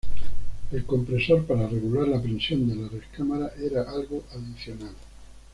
El compresor para regular la presión de las recámaras era algo adicional.